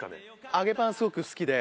揚げパンすごく好きで。